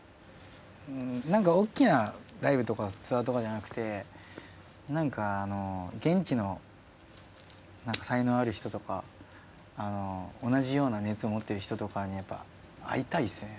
うん何かおっきなライブとかツアーとかじゃなくて現地の才能ある人とか同じような熱を持ってる人とかにやっぱ会いたいっすね